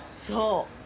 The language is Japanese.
そう。